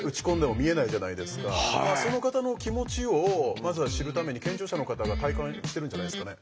その方の気持ちをまずは知るために健常者の方が体感してるんじゃないですかね。